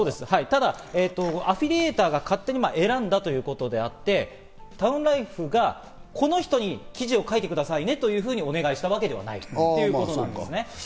ただアフィリエイターが勝手に選んだということであって、タウンライフがこの人に記事を書いてくださいねというふうにお願いしたわけではないということです。